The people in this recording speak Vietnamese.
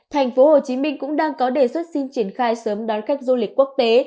tp hcm cũng đang có đề xuất xin triển khai sớm đón khách du lịch quốc tế